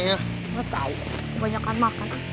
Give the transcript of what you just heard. nggak tahu banyakkan makan